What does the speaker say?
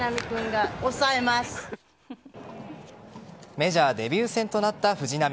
メジャーデビュー戦となった藤浪。